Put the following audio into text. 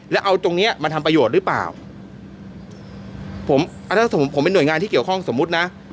แล้วเอาตรงเนี้ยมาทำประโยชน์หรือเปล่าผมอ่าถ้าสมมุติผมผมเป็นห่วยงานที่เกี่ยวข้องสมมุตินะ